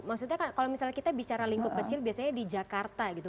maksudnya kalau misalnya kita bicara lingkup kecil biasanya di jakarta gitu